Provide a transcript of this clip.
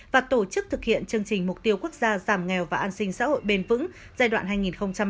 và tổ chức thực hiện chương trình mục tiêu quốc gia giảm nghèo và an sinh xã hội bền vững giai đoạn hai nghìn hai mươi một hai nghìn hai mươi